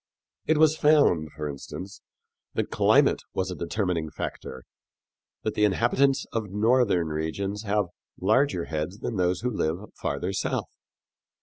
It was found, for instance, that climate was a determining factor that the inhabitants of northern regions have larger heads than those who live farther south.